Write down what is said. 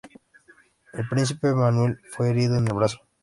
El príncipe Manuel fue herido en el brazo.